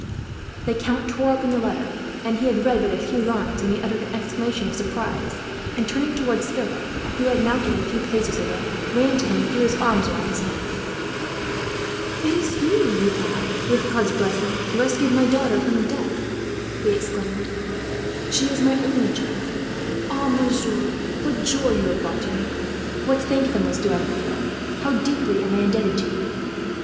The count tore open the letter, and he had read but a few lines when he uttered an exclamation of surprise and, turning towards Philip, who had moved a few paces away, ran to him and threw his arms round his neck. "It is you who have, with God's blessing, rescued my daughter from death," he exclaimed. "She is my only child. Oh, monsieur, what joy have you brought to me, what thankfulness do I feel, how deeply am I indebted to you!